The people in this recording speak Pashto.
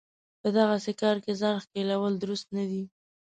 په دغسې کار کې ځان ښکېلول درست نه دی.